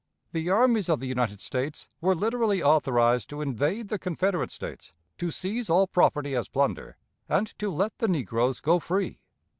The armies of the United States were literally authorized to invade the Confederate States, to seize all property as plunder, and to let the negroes go free.